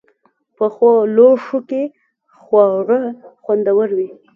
پخو لوښو کې خواړه خوندور وي